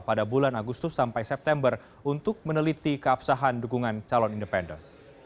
pada bulan agustus sampai september untuk meneliti keabsahan dukungan calon independen